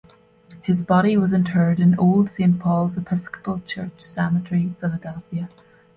His body was interred in Old Saint Paul's Episcopal Church Cemetery, Philadelphia.